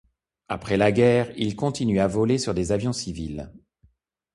Après la Guerre, il continue à voler sur des avions civils.